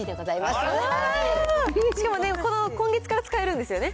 しかも今月から使えるんですよね。